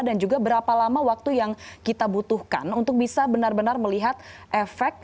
dan juga berapa lama waktu yang kita butuhkan untuk bisa benar benar melihat efek